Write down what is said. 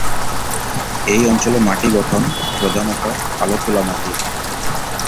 এই অঞ্চলে মাটি গঠন প্রধানত কালো তুলা মাটির।